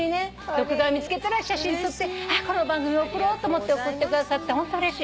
ドクダミ見つけたら写真撮って「この番組送ろう」と思って送ってくださってホントうれしい。